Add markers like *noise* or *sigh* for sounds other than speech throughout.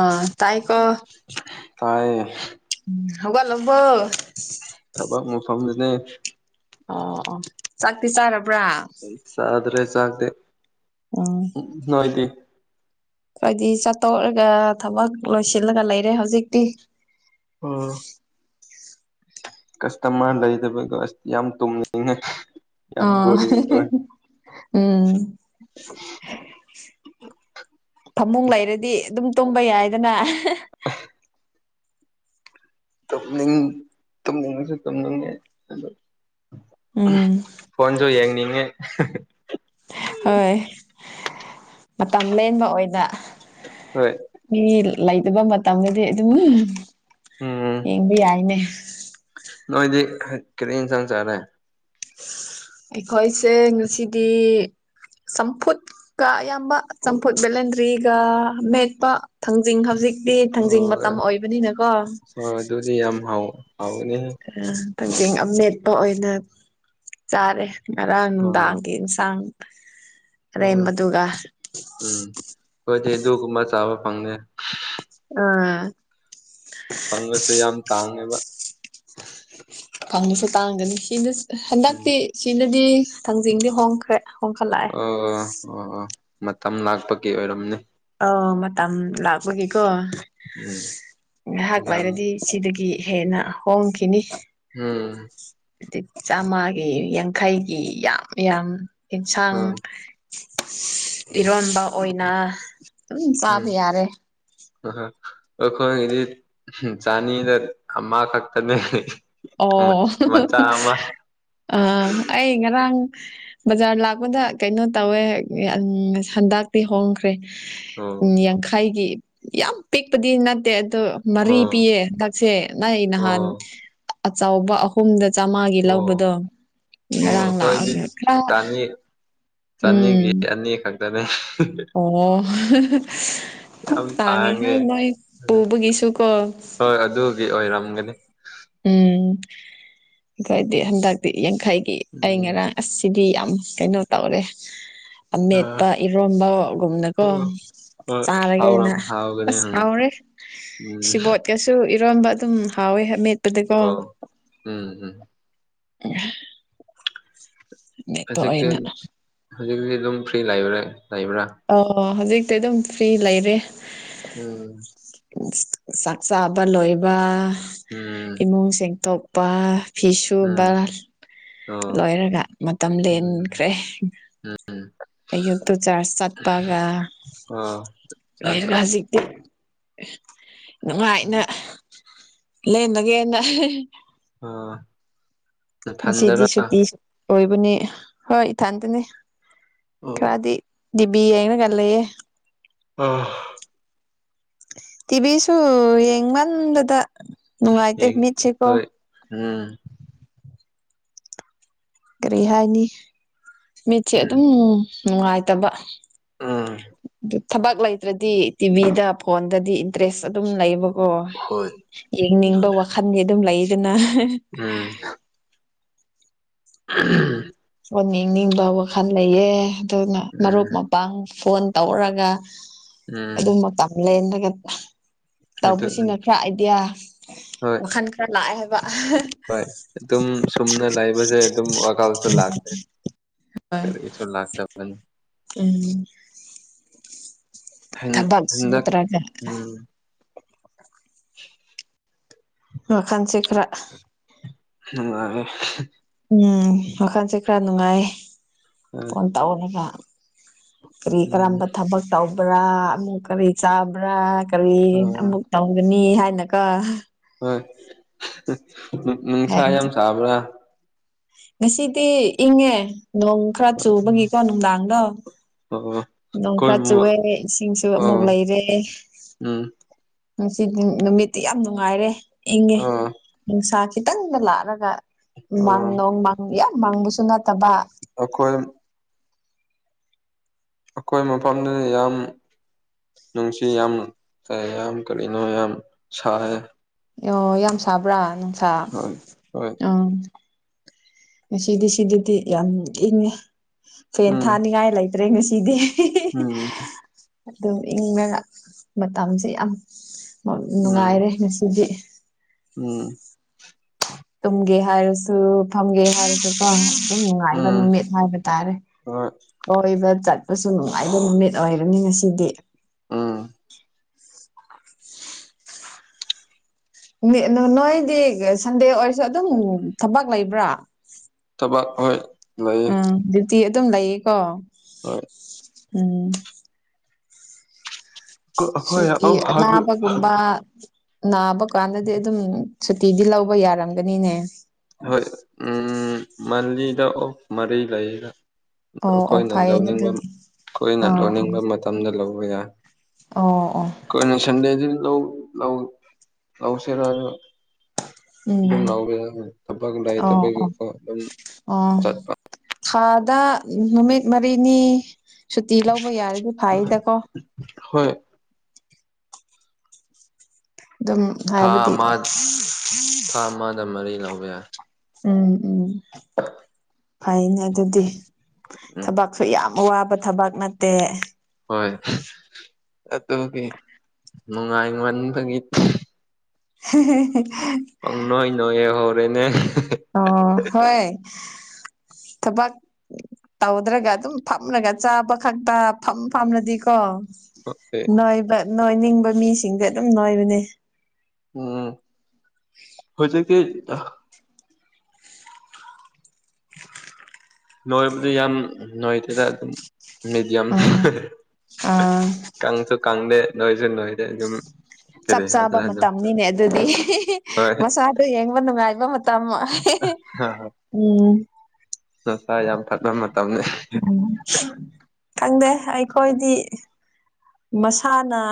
ꯑ ꯇꯥꯏꯀꯣ ꯇꯥꯏꯌꯦ ꯑꯝ ꯍꯧꯒꯠꯂꯕꯣ ꯊꯕꯛ ꯃꯐꯝꯗꯅꯦ ꯑꯣ ꯑꯣ ꯆꯥꯛꯇꯤ ꯆꯥꯔꯕ꯭ꯔꯥ ꯆꯥꯗ꯭ꯔꯦ ꯆꯥꯛꯇꯤ ꯎꯝ ꯅꯣꯏꯗꯤ ꯈꯣꯏꯗꯤ ꯆꯥ ꯇꯣꯛꯔꯒ ꯊꯕꯛ ꯂꯣꯏꯁꯤꯜꯂꯒ ꯂꯩꯔꯦ ꯍꯧꯖꯤꯛꯇꯤ ꯑꯣ ꯀ꯭ꯁꯇꯃꯔ ꯂꯩꯗꯕ ꯗꯣ ꯑꯁ ꯌꯥꯝ ꯇꯨꯝꯅꯤꯡ ꯉꯦ ꯑꯥ *unintelligible* ꯎꯝ ꯐꯥꯃꯨꯡ ꯂꯩꯔꯗꯤ ꯑꯗꯨꯝ ꯇꯨꯝꯕ ꯌꯥꯏꯗꯅ ꯑ ꯇꯨꯝꯅꯤꯡ ꯇꯨꯝꯅꯤꯡ ꯁꯨ ꯇꯨꯝꯅꯤꯡ ꯉꯦ ꯑꯗꯨ ꯎꯝ ꯐꯣꯟꯁꯨ ꯌꯦꯡꯅꯤꯡꯉꯦ ꯍꯣꯏ ꯃꯇꯝ ꯂꯦꯟꯕ ꯑꯣꯏꯅ ꯍꯣꯏ ꯃꯤ ꯂꯩꯗꯕ ꯃꯇꯝꯗꯗꯤ ꯑꯗꯨꯝ ꯎꯝ ꯌꯦꯡꯕ ꯌꯥꯏꯅꯦ ꯅꯣꯏꯗꯤ ꯀꯔꯤ ꯏꯟꯁꯥꯡ ꯆꯥꯔꯦ ꯑꯩꯈꯣꯏꯁꯦ ꯉꯁꯤꯗꯤ ꯆꯝꯐꯨꯠ ꯀ ꯑꯌꯥꯝꯕ ꯆꯝꯐꯨꯠ ꯕꯂꯦꯟꯗ꯭ꯔꯤꯒ ꯃꯦꯠꯄ ꯊꯥꯡꯖꯤꯡ ꯍꯧꯖꯤꯛꯇꯤ ꯑꯣ ꯊꯥꯡꯖꯤꯡ ꯃꯇꯝ ꯑꯣꯏꯕꯅꯤꯅꯀꯣ ꯌꯨ ꯌꯥꯝ ꯍꯥꯎ ꯍꯥꯎꯒꯅꯤꯍꯦ ꯑ ꯊꯪꯖꯤꯡ ꯑꯃꯦꯠꯄ ꯑꯣꯏꯅ ꯆꯥꯔꯦ ꯉꯔꯥꯡ ꯑꯣ ꯅꯨꯟꯗꯥꯡꯒꯤ ꯏꯟꯁꯥꯡ ꯑꯣ ꯎꯝ ꯑꯔꯦꯝꯕꯗꯨꯒ ꯈꯣꯏꯗꯤ ꯑꯗꯨꯒꯨꯝꯕ ꯆꯥꯕ ꯐꯪꯗꯦ ꯑ ꯐꯪꯉꯁꯨ ꯌꯥꯝ ꯇꯥꯡꯉꯦꯕ ꯐꯪꯉꯁꯨ ꯇꯥꯡꯒꯅꯤ ꯁꯤꯅ ꯆꯤ ꯎꯝ ꯍꯟꯗꯛꯇꯤ ꯁꯤꯗꯗꯤ ꯊꯥꯡꯖꯤꯡꯗꯤ ꯍꯣꯡꯈ꯭ꯔꯦ ꯍꯣꯡꯈꯠꯂꯛꯑꯦ ꯑꯣ ꯑꯣ ꯑꯣ ꯑꯣ ꯃꯇꯝ ꯂꯥꯛꯄꯀꯤ ꯑꯣꯏꯔꯝꯅꯤ ꯑꯥ ꯃꯇꯝ ꯂꯥꯛꯄꯒꯤꯀꯣ ꯎꯝ ꯉꯥꯏꯍꯥꯛ ꯌꯥꯝ ꯍꯥꯏꯥꯏꯔꯗꯤ ꯁꯤꯗꯒꯤ ꯍꯦꯟꯅ ꯍꯣꯡꯈꯤꯅꯤ ꯎꯝ ꯆꯥꯝꯃꯒꯤ ꯌꯥꯡꯈꯩꯒꯤ ꯌꯥꯝ ꯌꯥꯝ ꯑꯦꯟꯁꯥꯡ ꯎꯝ ꯏꯔꯣꯟꯕ ꯑꯣꯏꯅ ꯑꯗꯨꯝ ꯆꯥꯕ ꯎꯝ ꯌꯥꯔꯦ ꯑꯩꯈꯣꯏꯒꯤꯗꯤ ꯆꯥꯅꯤꯗ ꯑꯃ ꯈꯛꯇꯅꯦ ꯑꯣ ꯑꯥ ꯑꯩ ꯉꯔꯥꯡ ꯕꯖꯥꯔ ꯂꯥꯛꯄꯗ ꯀꯩꯅꯣ ꯇꯧꯋꯦ ꯍꯟꯗꯛ ꯄꯤ ꯍꯣꯡꯈ꯭ꯔꯦ ꯎꯝ ꯑꯣ ꯌꯥꯡꯈꯥꯏꯒꯤ ꯌꯥꯝ ꯄꯤꯛꯄꯗꯤ ꯅꯠꯇꯦ ꯑꯗꯣ ꯃꯔꯤ ꯑꯣ ꯄꯤꯌꯦ ꯍꯟꯗꯛꯁꯦ ꯅꯪ ꯅꯍꯥꯟ ꯑꯣ ꯑꯆꯧꯕ ꯍꯨꯝꯗ ꯆꯥꯝꯃꯉꯥꯒꯤ ꯑꯣ ꯂꯧꯕꯗꯣ ꯑꯣ ꯉꯔꯥꯡ ꯑꯩꯈꯣꯏꯗꯤ ꯂꯥꯛꯑꯒ ꯈꯔ ꯆꯅꯤ ꯎꯝ ꯆꯅꯤꯒꯤ ꯑꯅꯤꯈꯛ ꯑꯣ ꯇꯥꯡꯉꯦ ꯍꯣꯢ ꯃꯣꯏ ꯄꯨꯕꯒꯤꯁꯨꯨ ꯀꯣ ꯍꯣꯏ ꯑꯗꯨꯒꯤ ꯑꯣꯏꯔꯝꯒꯅꯤ ꯎꯝ ꯑꯩꯈꯣꯏꯗꯤ ꯍꯟꯗꯛꯇꯤ ꯌꯥꯡꯈꯩꯒꯤ ꯑꯩ ꯎꯝ ꯉꯔꯥꯡ ꯑꯁ ꯁꯤꯗꯤ ꯌꯥꯝ ꯀꯩꯅꯣ ꯇꯧꯔꯦ ꯑ ꯑꯃꯦꯠꯄ ꯏꯔꯣꯝꯕ ꯒꯨꯝꯅꯀꯣ ꯍꯣꯏ ꯍꯣꯏ ꯍꯥꯎꯔꯝ ꯆꯥꯔꯒꯦꯅ ꯍꯥꯎꯒꯅꯤ ꯑꯁ ꯎꯝ ꯍꯥꯎꯔꯦ ꯎꯝ ꯁꯤꯕꯣꯠ ꯀꯩꯁꯨ ꯏꯔꯣꯟꯝꯕ ꯑꯗꯨꯝ ꯍꯥꯎꯋꯦ ꯑꯥꯃꯦꯠ ꯑꯣ ꯎꯝ ꯎꯝ ꯎꯝ ꯍꯧꯖꯤꯛꯇꯤ ꯑꯣꯏꯅ ꯍꯧꯖꯤꯛꯇꯤ ꯑꯗꯨꯝ ꯐ꯭ꯔꯤ ꯂꯩꯕ꯭ꯔꯥ ꯂꯩꯕ꯭ꯔꯥ ꯑꯣ ꯍꯧꯖꯤꯛꯇꯤ ꯑꯗꯨꯝ ꯐ꯭ꯔꯤ ꯂꯩꯔꯦ ꯎꯝ ꯆꯥꯛ ꯆꯥꯕ ꯂꯣꯏꯕ ꯎꯝ ꯏꯃꯨꯡ ꯁꯦꯡꯗꯣꯛꯄ ꯐꯤ ꯎꯝ ꯁꯨꯕ ꯑꯣ ꯂꯣꯏꯔꯒ ꯃꯇꯝ ꯎꯝ ꯂꯦꯟꯈ꯭ꯔꯦ ꯎꯝ ꯑꯩꯌꯨꯛꯇꯣ ꯆꯥꯔꯁꯥꯠ ꯄꯥꯒ ꯑꯥ ꯆꯥ ꯆꯥ ꯂꯣꯏꯔꯒ ꯍꯧꯖꯤꯛꯇꯤ ꯅꯨꯡꯉꯥꯏꯅ ꯂꯦꯟꯕꯒꯦꯅ ꯑꯣ ꯉꯁꯤꯗꯤ ꯁꯨꯇꯤ ꯑꯣꯏꯕꯅꯤ ꯍꯣꯏ ꯏꯊꯟꯇꯅꯦ ꯑꯣ ꯈꯔꯗꯤ ꯗꯤꯕꯤ ꯌꯦꯡꯔꯒ ꯂꯩꯌꯦ ꯑꯥ ꯇꯤꯚꯤꯁꯨ ꯌꯦꯡꯃꯟꯕꯗ ꯅꯨꯡꯉꯥꯏꯇꯦ ꯌꯦꯡ ꯃꯤꯠꯁꯤꯀꯣ ꯍꯣꯏ ꯎꯝ ꯀꯔꯤ ꯍꯥꯏꯅꯤ ꯃꯤꯠꯁꯦ ꯎꯝ ꯑꯗꯨꯝ ꯅꯨꯡꯉꯥꯏꯇꯕ ꯎꯝ ꯊꯕꯛ ꯂꯩꯇ꯭ꯔꯗꯤ ꯇꯤꯚꯤꯗ ꯐꯣꯟꯗꯗꯤ ꯏꯟꯇꯔꯦꯁ ꯑꯗꯨꯝ ꯂꯩꯕ ꯑꯣ ꯍꯣꯏ ꯌꯦꯡꯅꯤꯡꯕ ꯎꯝ ꯋꯥꯈꯜ ꯃꯤ ꯑꯗꯨꯝ ꯂꯩꯗꯅ *unintelligible* ꯑꯣ ꯅꯤꯡꯅꯤꯡꯕ ꯋꯥꯈꯜ ꯂꯩꯑ ꯑꯗꯨꯅ ꯎꯝ ꯃꯔꯨꯞ ꯄꯥꯡ ꯐꯣꯟ ꯇꯧꯔꯒ ꯎꯝ ꯑꯗꯨꯝꯕ ꯃꯇꯝ ꯂꯦꯜꯂꯥꯒ ꯑꯗꯨ ꯇꯧꯕꯁꯤꯅ ꯈꯔ ꯑꯥꯏꯗꯤꯌꯥ ꯍꯣꯏ ꯃꯈꯜ ꯈꯔ ꯂꯥꯛꯑꯦ ꯍꯥꯏꯕ ꯍꯣꯏ ꯑꯗꯨꯝ ꯁꯨꯝꯅ ꯂꯩꯕꯁꯦ ꯑꯗꯨꯝ ꯥꯂꯧꯁꯨ ꯂꯥꯛꯇꯦ ꯀꯔꯤꯁꯨ ꯂꯥꯛꯇꯕꯅꯤ ꯎꯝ ꯍꯟ ꯊꯕꯛ ꯍꯟꯗꯛ ꯁꯨꯇ꯭ꯔꯒ ꯎꯝ *unintelligible* ꯋꯥꯈꯟꯁꯤ ꯈꯔ ꯅꯨꯡꯉꯥꯏꯔꯤ ꯎꯝ ꯋꯥꯈꯜꯁꯦ ꯈꯔ ꯅꯨꯡꯉꯥꯏꯌꯦ ꯍꯣꯏ ꯐꯣꯟ ꯇꯧꯔꯒ ꯀꯔꯤ ꯎꯝ ꯀꯔꯝꯕ ꯊꯕꯛ ꯇꯧꯕ꯭ꯔꯥ ꯑꯃꯨꯛ ꯀꯔꯤ ꯆꯥꯕ꯭ꯔꯥ ꯀꯔꯤ ꯑꯥ ꯑꯃꯨꯛ ꯇꯧꯒꯅꯤ ꯍꯥꯏꯅꯀꯣ ꯍꯣꯏ ꯅꯨꯡꯁꯥ ꯌꯥꯝ ꯁꯥꯥꯕ꯭ꯔꯥ ꯉꯁꯤꯗꯤ ꯏꯪꯉꯦ ꯅꯣꯡ ꯈꯔ ꯑ ꯆꯨꯕꯒꯤꯀꯣ ꯅꯨꯡꯗꯥꯡꯗꯣ ꯑꯣ ꯅꯣꯡ ꯈꯔ ꯀꯣꯏꯕ ꯆꯨꯑꯦ ꯏꯁꯤꯡꯁꯨ ꯑꯃꯨꯛ ꯑꯣ ꯂꯩꯔꯦ ꯎꯝ ꯉꯁꯤꯗꯤ ꯅꯨꯃꯤꯠꯇꯤ ꯌꯥꯝ ꯅꯨꯡꯉꯥꯏꯔꯦ ꯏꯪꯉꯦ ꯑꯣ ꯅꯨꯡꯁꯥ ꯈꯤꯇꯪꯗ ꯂꯥꯛꯂꯒ ꯃꯪ ꯎꯝ ꯅꯣꯡ ꯃꯪ ꯌꯥꯝ ꯃꯪꯕꯁꯨ ꯅꯠꯇꯕ ꯑꯈꯣꯏ ꯑꯈꯣꯏ ꯃꯐꯝꯗꯨꯗ ꯌꯥꯝ ꯅꯨꯡꯁꯤ ꯌꯥꯝ ꯇꯥꯏ ꯌꯥꯝ ꯀꯔꯤꯅꯣ ꯌꯥꯝ ꯁꯥꯏ ꯑꯣ ꯌꯥꯝ ꯁꯥꯕ꯭ꯔꯥ ꯅꯨꯡꯁꯥ ꯍꯣꯏ ꯍꯣꯏ ꯎꯝ ꯉꯁꯤꯗꯤ ꯁꯤꯗꯗꯤ ꯌꯥꯝ ꯏꯪꯉꯦ ꯐꯦꯟ ꯎꯝ ꯊꯥꯅꯤꯡꯉꯥꯏ ꯂꯩꯇ꯭ꯔꯦ ꯉꯁꯤꯗꯤ ꯎꯝ ꯑꯗꯨꯝ ꯏꯪꯔꯒ ꯃꯇꯝꯁꯦ ꯌꯥꯝ ꯎꯝ ꯅꯨꯡꯉꯥꯏꯔꯦ ꯉꯁꯤꯗꯤ ꯎꯝ ꯇꯨꯝꯒꯦ ꯍꯥꯏꯔꯁꯨ ꯐꯝꯒꯦ ꯍꯥꯏꯔꯁꯨ ꯀꯣ ꯑꯗꯨꯝ ꯅꯨꯡꯉꯥꯏꯕ ꯎꯝ ꯅꯨꯃꯤꯠ ꯍꯥꯏꯕ ꯇꯥꯔꯦ ꯍꯣꯏ ꯀꯣꯏꯕ ꯆꯠꯄꯁꯨ ꯅꯨꯡꯉꯥꯏꯕ ꯅꯨꯃꯤꯠ ꯑꯣꯏꯔꯅꯤ ꯉꯁꯤꯗꯤ ꯎꯝ ꯅꯣꯏꯗꯤ ꯁꯟꯗꯦ ꯑꯣꯏꯔꯁꯨ ꯑꯗꯨꯝ ꯊꯕꯛ ꯂꯩꯕ꯭ꯔꯥ ꯊꯕꯛ ꯍꯣꯏ ꯂꯩꯌꯦ ꯎꯝ ꯗ꯭ꯌꯨꯇꯤ ꯑꯗꯨꯝ ꯂꯩꯌꯦꯀꯣ ꯍꯣꯏ ꯎꯝ ꯁꯨꯇꯤ ꯑꯩꯈꯣꯏ ꯑꯅꯥꯕꯒꯨꯝꯕ ꯅꯥꯕ ꯀꯥꯟꯗꯗꯤ ꯑꯗꯨꯝ ꯁꯨꯇꯤꯗꯤ ꯂꯧꯕ ꯌꯥꯔꯝꯒꯅꯤꯅꯦ ꯍꯣꯏ ꯎꯝ ꯃꯜꯂꯤꯗ ꯑꯣꯐ ꯃꯔꯤ ꯂꯩꯥꯌꯦ ꯑꯣ ꯑꯣ ꯑꯩꯈꯣꯏꯅ ꯐꯩꯌꯦꯅꯦ ꯂꯧꯅꯤꯡꯕ ꯑꯗꯨꯗꯤ ꯑꯩꯈꯣꯏꯅ ꯑꯣ ꯑꯣ ꯂꯧꯅꯤꯡꯕ ꯃꯇꯝꯗ ꯂꯧꯕ ꯌꯥꯏ ꯑꯣ ꯑꯣ ꯀꯩꯅꯣ ꯁꯟꯗꯦꯗꯨ ꯂꯧ ꯂꯧ ꯂꯧꯁꯤꯔꯗ ꯑꯗꯨꯝ ꯎꯝ ꯂꯥꯎꯕ ꯌꯥꯏ ꯊꯕꯛ ꯑꯣ ꯑꯣ ꯂꯩꯇꯕꯒꯤꯀꯣ ꯑꯗꯨꯝ ꯑꯣ ꯆꯠꯄꯥ ꯊꯥꯗ ꯅꯨꯃꯤꯠ ꯃꯔꯤꯅꯤ ꯁꯨꯇꯤ ꯂꯧꯕ ꯌꯥꯔꯗꯤ ꯐꯩꯗꯀꯣ ꯍꯣꯏ ꯑꯗꯨꯝ ꯊꯥ ꯍꯥꯏꯕꯗꯤ ꯑꯃ ꯊꯥ ꯑꯃꯗ ꯃꯔꯤ ꯂꯧꯕ ꯌꯥꯏ ꯎꯝ ꯎꯝ ꯐꯩꯅꯦ ꯑꯗꯨꯗꯤ ꯎꯝ ꯊꯕꯛꯁꯨ ꯌꯥꯝ ꯋꯥꯕ ꯊꯕꯛꯇꯠ ꯇꯦ ꯍꯣꯏ ꯑꯗꯨꯗꯤ ꯅꯨꯡꯉꯥꯏ ꯉꯟꯕꯒꯤ *inaudible* ꯄꯪ ꯅꯣꯏ ꯅꯣꯏꯌꯧ ꯍꯧꯔꯦꯅꯦ ꯑꯣ ꯍꯣꯏ ꯊꯕꯛ ꯇꯧꯗ꯭ꯔꯒ ꯑꯗꯨꯝ ꯐꯝꯂꯒ ꯆꯥꯕ ꯈꯛꯇ ꯐꯝ ꯐꯝꯂꯗꯤꯀꯣ ꯅꯣꯏꯕ ꯅꯣꯏꯅꯤꯡꯕ ꯃꯤꯁꯤꯡꯗꯤ ꯑꯗꯨꯝ ꯅꯣꯏꯕꯅꯦ ꯎꯝ ꯍꯧꯖꯤꯛꯇꯤ ꯅꯣꯏꯕꯗꯨ ꯌꯥꯝ ꯅꯣꯏꯗꯦꯗ ꯑꯗꯨꯝ ꯃꯦꯗꯤꯌꯝ ꯎꯝ ꯑꯥ ꯀꯪꯁꯨ ꯀꯪꯗꯦ ꯅꯣꯏꯁꯨ ꯅꯣꯏꯗꯦ ꯑꯗꯨꯝ ꯆꯞ ꯀꯔꯤ ꯆꯥꯕ ꯍꯥꯏꯁꯤꯔ ꯑꯗꯨꯝ ꯃꯇꯝꯅꯤꯅꯦ ꯑꯗꯨꯗꯤ ꯍꯣꯏ ꯃꯁꯥꯗꯣ ꯌꯦꯡꯕ ꯅꯨꯡꯉꯥꯏꯕ ꯃꯇꯝ ꯍꯥ ꯍ ꯎꯝ ꯗꯣꯁꯥ ꯌꯥꯝ ꯐꯠꯕ ꯃꯇꯝꯅꯦ ꯈꯪꯗꯦ ꯑꯩꯈꯣꯏꯗꯤ ꯃꯁꯥꯅ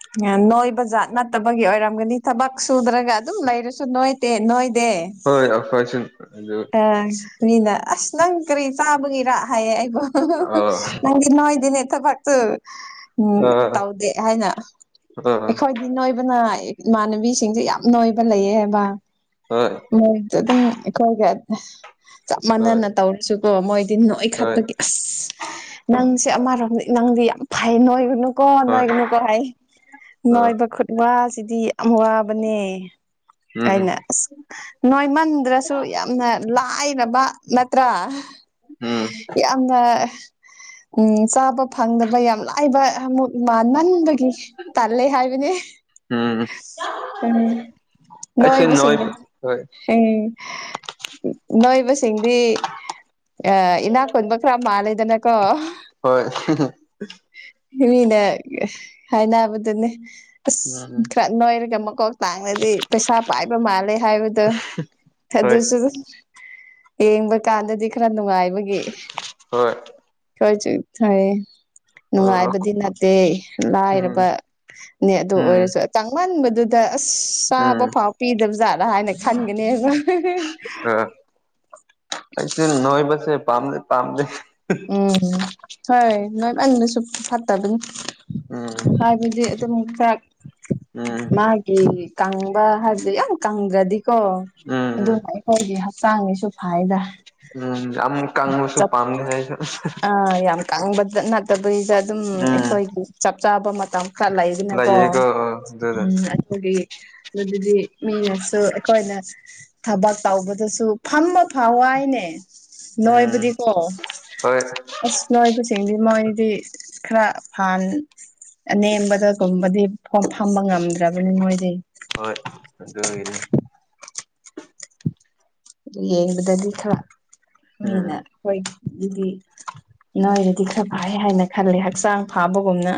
*inaudible* ꯅꯣꯏꯕ ꯖꯥꯠ ꯅꯠꯇꯕꯒꯤ ꯑꯣꯏꯔꯝꯒꯅꯤ ꯊꯕꯛ ꯁꯨꯗ꯭ꯔꯒ ꯑꯗꯨꯝ ꯂꯩꯔꯁꯨ ꯅꯣꯏꯇꯦ ꯅꯣꯏꯗꯦ *unintelligible* ꯑꯩꯈꯣꯏꯁꯨ‌ ꯑꯗꯨꯝ ꯑ ꯃꯤꯅ ꯑꯁ ꯅꯪ ꯀꯔꯤ ꯆꯥꯕꯒꯤꯔꯥ ꯍꯥꯏꯌꯦ ꯑꯩꯕꯨ ꯑ ꯅꯪꯗꯤ ꯅꯣꯏꯗꯤꯅꯦ ꯊꯕꯛꯇꯨ ꯎꯝ ꯑ ꯑ ꯇꯧꯗꯦ ꯍꯥꯏꯅ ꯑꯩꯈꯣꯏ ꯍꯣꯏ ꯍꯥꯏꯗꯤ ꯅꯣꯏꯕꯅ ꯏꯃꯥꯟꯅꯕꯤꯁꯤꯡꯁꯦ ꯌꯥꯝ ꯅꯣꯏꯕ ꯂꯩꯌꯦ ꯍꯥꯏꯕ ꯍꯣꯏ ꯃꯣꯏꯗꯤ ꯑꯗꯨꯝ ꯑꯩꯈꯣꯏꯒ ꯆꯞ ꯍꯣꯏ ꯃꯥꯟꯅꯅ ꯇꯧꯔꯁꯨ ꯑꯣ ꯃꯣꯏꯗꯤ ꯅꯣꯏ ꯍꯣꯏ ꯈꯠꯄꯒꯤ ꯑꯁ ꯅꯪꯁꯦ ꯑꯃꯔꯣꯝꯗ ꯅꯪꯗꯤ ꯌꯥꯝ ꯐꯩ ꯅꯣꯏꯒꯅꯨ ꯀꯣ ꯍꯣꯏ ꯅꯣꯏꯒꯅꯨꯀꯣ ꯍꯥꯏ ꯍꯣꯏ ꯅꯣꯏꯕ ꯈꯨꯠꯕꯥꯁꯤꯗꯤ ꯌꯥꯝ ꯋꯥꯕꯅꯦ ꯎꯝ ꯑꯩꯅ ꯑꯁ ꯅꯣꯏꯃꯟꯗ꯭ꯔꯁꯨ ꯌꯥꯝꯅ ꯂꯥꯏꯔꯕ ꯅꯠꯇ꯭ꯔꯥ ꯎꯝ ꯌꯥꯝꯅ ꯆꯥꯕ ꯐꯪꯗꯕ ꯌꯥꯝ ꯂꯥꯏꯕ ꯑꯃꯨꯛ ꯃꯥꯟꯃꯟꯟꯕꯒꯤ ꯇꯜꯂꯦ ꯍꯥꯏꯕꯅꯦ ꯎꯝ ꯎꯝ ꯑꯩꯁꯨ ꯅꯣꯏ ꯅꯣꯏꯕꯁꯤꯡꯒꯤꯗꯤ ꯍꯣꯏ ꯎꯝ ꯅꯣꯏꯕꯁꯤꯡꯗꯤ ꯏꯅꯥꯛꯀꯨꯟꯕ ꯈꯔ ꯃꯥꯜꯂꯦꯗꯅꯀꯣ ꯍꯣꯏ ꯃꯤꯅ ꯍꯥꯏꯅꯕꯗꯨꯅꯦ ꯎꯝ ꯑꯁ ꯎꯝ ꯈꯔ ꯅꯣꯏꯔꯒ ꯃꯀꯣꯛ ꯇꯥꯡꯉꯗꯤ ꯄꯩꯁꯥ ꯄꯥꯏꯕ ꯃꯥꯜꯂꯦ ꯍꯥꯏꯕ ꯍꯣꯏ ꯑꯗꯨꯁꯨ ꯌꯦꯡꯕ ꯀꯥꯟꯗꯗꯤ ꯈꯔ ꯅꯨꯡꯉꯥꯏꯕꯒꯤ ꯍꯣꯏ *unintelligible* ꯑ ꯅꯨꯡꯉꯥꯏꯕꯗꯤ ꯅꯠꯇꯦ ꯗꯦ ꯎꯝ ꯂꯥꯏꯔꯕꯅꯦ ꯑꯗꯣ ꯎꯝ ꯑꯣꯏꯔꯁꯨ ꯇꯥꯡꯃꯟꯕꯗꯨꯗ ꯑꯁ ꯆꯥꯕ ꯎꯝ ꯐꯥꯎ ꯄꯤꯗꯕꯖꯥꯠꯂ ꯍꯥꯏꯅ ꯈꯟꯒꯅꯦꯕ ꯑꯩꯆꯨ ꯅꯣꯏꯕꯁꯦ ꯄꯝꯗꯤ ꯄꯝꯗꯦ ꯎꯝ ꯍꯣꯏ ꯅꯣꯏꯃꯟꯕꯁꯨ ꯐꯠꯇꯕꯅꯤ ꯎꯝ ꯍꯥꯏꯕꯗꯤ ꯑꯗꯨꯝ ꯆꯥꯛ ꯎꯝ ꯃꯥꯒꯤ ꯀꯪꯕ ꯍꯥꯏꯕꯗꯤ ꯌꯥꯝ ꯀꯪꯗ꯭ꯔꯗꯤꯀꯣ ꯎꯝ ꯎꯝ ꯑꯗꯨꯅ ꯑꯩꯈꯣꯏꯒꯤ ꯍꯧꯖꯤꯛꯀꯥꯟ ꯆꯥꯡꯉꯁꯨ ꯐꯥꯏꯗ ꯎꯝ ꯌꯥꯝ ꯀꯪꯕꯁꯨ ꯆꯞ ꯄꯥꯝꯗꯦ ꯑꯩꯗꯣ ꯌꯥꯝ ꯀꯥꯡꯕ ꯅꯠꯇꯕꯤꯗ ꯑꯗꯨꯝ ꯎꯝ ꯑꯩꯈꯣꯏꯒꯤ ꯆꯞ ꯆꯥꯕ ꯃꯇꯝ ꯈꯔ ꯂꯩꯗꯅꯀꯣ ꯂꯩꯌꯦꯀꯣ ꯑꯗꯨꯗ ꯎꯝ ꯑꯗꯨꯈꯒꯤ ꯑꯗꯨꯗꯤ ꯃꯤꯅꯁꯨ ꯑꯩꯈꯣꯏꯅ ꯊꯕꯛ ꯇꯧꯕꯗꯁꯨ ꯐꯝꯕ ꯐꯥꯎꯏꯅꯦ ꯎꯝ ꯅꯣꯏꯕꯨꯗꯤꯀꯣ ꯍꯣꯏ ꯂꯣꯏꯕꯁꯤꯡꯗꯤ ꯃꯣꯏꯗꯤ ꯈꯔ ꯐꯥꯟ ꯑꯅꯦꯝꯕꯗꯒꯨꯝꯕꯗꯤ ꯐꯝꯕ ꯉꯝꯗ꯭ꯔꯕꯅꯤ ꯃꯣꯏꯗꯤ ꯍꯣꯏ ꯑꯗꯨꯒꯤꯅꯦ ꯌꯦꯡꯕꯗꯗꯤ ꯈꯔ ꯎꯝ ꯃꯤꯅ ꯍꯣꯏ ꯑꯗꯨꯗꯤ ꯅꯣꯏꯔꯗꯤ ꯈꯔ ꯐꯥꯏ ꯍꯥꯏꯅ ꯈꯜꯂꯦ ꯍꯛꯆꯥꯡ ꯐꯥꯕꯒꯨꯝꯅ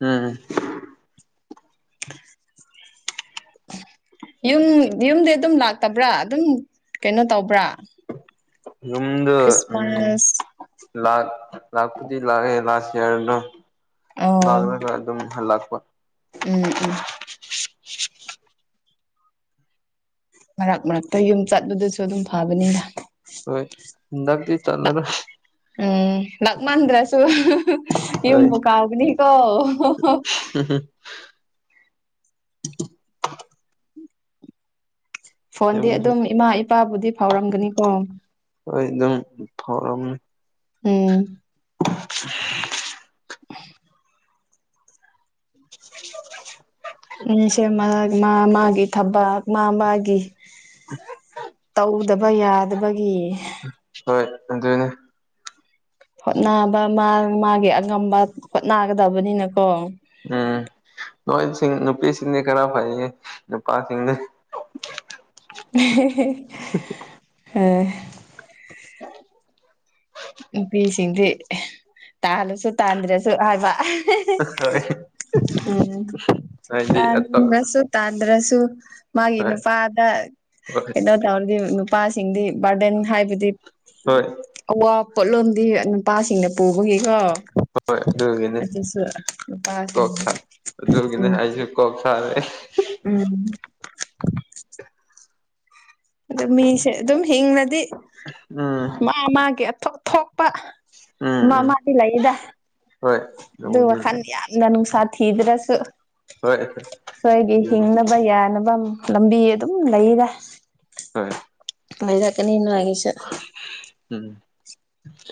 ꯎꯝ ꯌꯨꯝ ꯌꯨꯝꯗꯤ ꯑꯗꯨꯝ ꯂꯥꯛꯇꯕ꯭ꯔꯥ ꯑꯗꯨꯝ ꯀꯩꯅꯣ ꯇꯧꯕ꯭ꯔꯥ ꯌꯨꯝꯗ ꯎꯝ ꯈ꯭ꯔꯤꯁꯃꯥꯁ ꯂꯥꯛꯄꯨꯗꯤ ꯂꯥꯛꯑꯦ *unintelligible* ꯑꯣ ꯂꯥꯛꯑꯒ ꯑꯗꯨꯝ ꯍꯜꯂꯛꯄ ꯎꯝ ꯎꯝ ꯃꯔꯛ ꯃꯔꯛꯇ ꯌꯨꯝ ꯆꯠꯄꯗꯁꯨ ꯑꯗꯨꯝ ꯐꯕꯅꯤꯅ ꯍꯣꯏ ꯍꯟꯗꯛꯇꯤ ꯆꯠꯂꯔꯣꯏ ꯎꯝ ꯂꯥꯛꯃꯟꯗ꯭ꯔꯁꯨ ꯍꯣꯏ ꯌꯨꯝꯕꯨ ꯀꯥꯎꯕꯅꯤꯀꯣ *inaudible* ꯐꯣꯟꯗꯤ ꯌꯨꯝꯁꯨ ꯑꯗꯨꯝ ꯏꯃꯥ ꯏꯄꯥꯕꯨꯗꯤ ꯐꯥꯎꯔꯝꯒꯅꯤꯀꯣ ꯍꯣꯏ ꯑꯗꯨꯝ ꯐꯥꯎꯔꯝꯃꯤ ꯎꯝ *inaudible* ꯁꯦ ꯃꯥ ꯃꯥꯒꯤ ꯊꯕꯛ ꯃꯥ ꯃꯥꯒꯤ ꯇꯧꯗꯕ ꯌꯥꯗꯕꯒꯤ ꯍꯣꯏ ꯑꯗꯨꯅꯦ ꯍꯣꯠꯅꯕ ꯃꯥ ꯃꯥꯒꯤ ꯑꯉꯝꯕ ꯍꯣꯠꯅꯒꯗꯕꯅꯤꯅꯀꯣ ꯎꯝ ꯅꯣꯏꯁꯤꯡ ꯅꯨꯄꯤꯁꯤꯡꯗꯤ ꯈꯔ ꯐꯩꯌꯦ ꯅꯨꯄꯥꯁꯤꯡꯗꯤ *inaudible* ꯁꯤꯗꯤ ꯇꯥꯜꯂꯁꯨ ꯇꯥꯟꯗ꯭ꯔꯁꯨ ꯍꯥꯏꯕ ꯍꯣꯏ ꯎꯝ ꯍꯥꯏꯗꯤ ꯑꯇꯣꯞ *unintelligible* ꯇꯥꯟꯗ꯭ꯔꯁꯨ ꯃꯥꯒꯤ ꯍꯣꯏ ꯅꯨꯄꯥꯗ ꯍꯣꯏ ꯀꯩꯅꯣ ꯇꯔꯗꯤ ꯅꯨꯄꯥꯁꯤꯡꯗꯤ ꯕꯥꯔꯗꯦꯟ ꯍꯥꯏꯕꯗꯤ ꯍꯣꯏ ꯑꯋꯥ ꯄꯣꯠꯂꯨꯝꯗꯤ ꯅꯨꯄꯥꯁꯤꯡꯅ ꯄꯨꯕꯒꯤꯀꯣ ꯑꯗꯨꯒꯤꯅꯦ ꯑꯗꯨꯁꯨ ꯅꯨꯄꯥꯁꯤꯡ ꯀꯣꯛ ꯁꯥ ꯑꯗꯨꯒꯤꯅꯦ ꯎꯝ *unintelligible* ꯎꯝ ꯑ ꯃꯤꯁꯦ ꯑꯗꯨꯝ ꯍꯤꯡꯅꯗꯤ ꯎꯝ ꯃꯥ ꯃꯥꯒꯤ ꯊꯣꯛꯄ ꯎꯝ ꯃꯥ ꯎꯝ ꯃꯥꯗꯤ ꯂꯩꯗ ꯍꯣꯏ ꯑꯗꯨ ꯑꯗꯨꯕꯨꯗꯤ ꯋꯥꯈꯜ ꯂꯩ ꯌꯥꯝꯒ ꯅꯨꯡꯁꯥ ꯊꯤꯗ꯭ꯔꯁꯨ ꯍꯣꯏ ꯁꯣꯏꯒꯤ ꯑꯗꯨꯅꯤ ꯍꯤꯡꯅꯕ ꯌꯥꯅꯕ ꯂꯝꯕꯤ ꯑꯗꯨꯝ ꯂꯩꯔꯦꯗ *unintelligible* ꯂꯩꯔꯛꯀꯥꯅꯤ ꯅꯣꯏꯒꯤꯁꯨ ꯎꯝ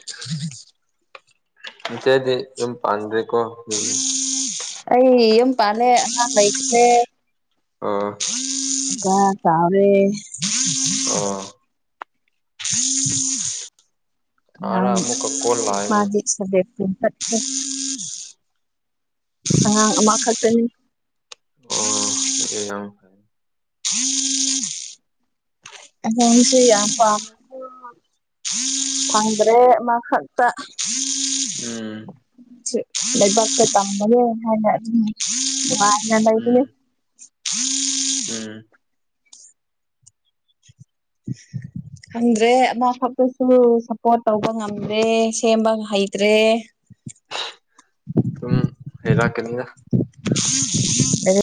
*inaudible* ꯆꯦꯆꯦꯗꯤ ꯌꯨꯝ ꯄꯥꯟꯒ꯭ꯔꯦꯀꯣ ꯑꯩ ꯌꯨꯝ ꯄꯥꯜꯂꯦ ꯑꯉꯥꯡ ꯂꯩꯈ꯭ꯔꯦ ꯑꯣ ꯏꯆꯥ ꯆꯥꯎꯔꯦ ꯑꯣ ꯀꯅꯥꯔ ꯑꯃꯨꯛꯀ ꯀꯣꯜ *unintelligible* ꯂꯥꯛꯑꯦꯅꯦ ꯃꯥꯗꯤ *unintelligible* ꯑꯉꯥꯡ ꯑꯃꯈꯛꯇꯥꯅꯤ ꯑꯣ *unintelligible* ꯑꯉꯥꯡꯁꯨ ꯌꯥꯝ ꯄꯥꯝꯃꯦꯀꯣ ꯐꯪꯗ꯭ꯔꯦ ꯑꯃꯈꯛꯇꯥ ꯎꯝ ꯁꯤ ꯂꯥꯏꯕꯥꯛꯇ ꯇꯝꯕꯅꯦ ꯍꯥꯏꯅ ꯑꯗꯨꯝ ꯅꯨꯉꯥꯏꯅ ꯎꯝ ꯂꯩꯕꯅꯦ ꯎꯝ *inaudible* ꯈꯪꯗ꯭ꯔꯦ ꯑꯃꯈꯛꯇꯥꯁꯨ ꯁꯞꯄꯣꯔꯠ ꯇꯧꯕ ꯉꯝꯗ꯭ꯔꯦ ꯁꯦꯝꯕ ꯍꯩꯇ꯭ꯔꯦ ꯎꯝ ꯍꯦꯜꯂꯛꯀꯥꯅꯤꯗ ꯂꯥꯏꯔꯤꯛ